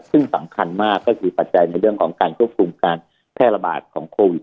ซึ่งสำคัญมากก็คือปัจจัยในเรื่องของการควบคุมการแพร่ระบาดของโควิด